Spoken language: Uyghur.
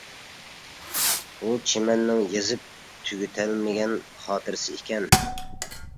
ئۇ چىمەننىڭ يېزىپ تۈگىتەلمىگەن خاتىرىسى ئىكەن.